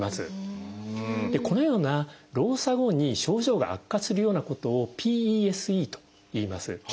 このような労作後に症状が悪化するようなことを「ＰＥＳＥ」といいます。